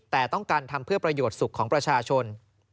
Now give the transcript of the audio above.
แต่ต้องการทำเพื่อประโยชน์สุขของประชาชน